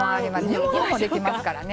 煮物もできますからね。